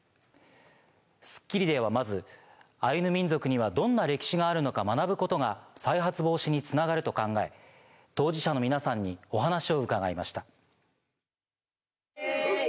『スッキリ』ではまずアイヌ民族にはどんな歴史があるのか学ぶことが再発防止につながると考え当事者の皆さんにお話を伺いました。